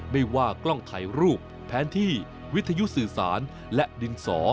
ไม่ว่ากล้องถ่ายรูปแผนที่วิทยุสื่อสารและดินสอ